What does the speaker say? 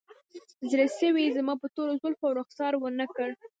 زړسوی یې زما په تورو زلفو او رخسار ونه کړ